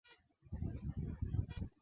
Ni saa sita.